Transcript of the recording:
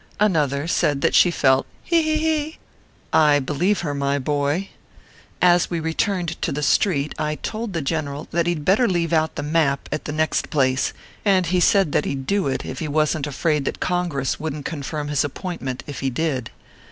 Another said that she felt "he ! he ! he !"" I believe her, my boy !" As we returned to the street, I told the general that he d better leave out the map at the next place, and he said that he d do it if he was nt afraid that Congress would nt confirm his appointment, if he did.